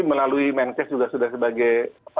melalui menkes juga sudah sebagai